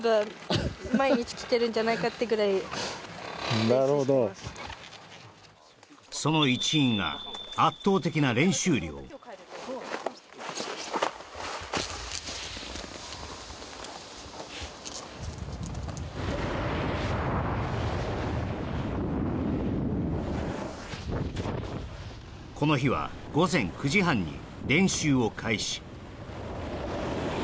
今なるほどその一因がこの日は午前９時半に練習を開始